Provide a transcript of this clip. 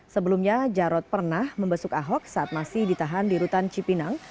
sebelumnya jarod pernah membesuk ahok saat masih ditahan di rutan cipinang